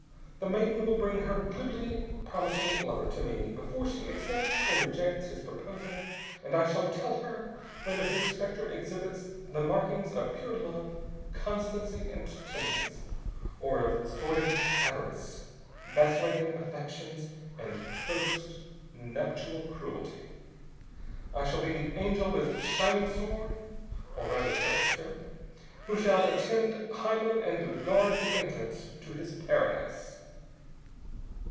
The maiden will bring her glibly promising lover to me before she accepts or rejects his proposal, and I shall tell her whether his spectrum exhibits the markings of pure love, constancy, and tenderness, or of sordid avarice, vacillating affections, and post nuptial cruelty. I shall be the angel with shining sword (or rather spectroscope] who shall attend Hymen and guard the entrance to his paradise.